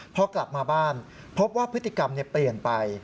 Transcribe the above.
พอกลับมาบ้านพบว่าพฤติกรรมเปลี่ยนไป